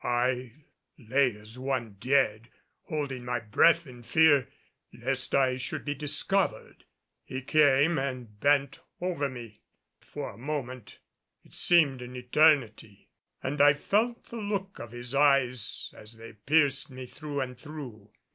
I lay as one dead, holding my breath in fear lest I should be discovered. He came and bent over me for a moment. It seemed an eternity, and I felt the look of his eyes as they pierced me through and through.